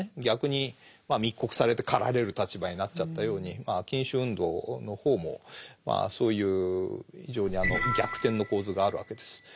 逆に密告されて狩られる立場になっちゃったように禁酒運動の方もそういう非常に逆転の構図があるわけです。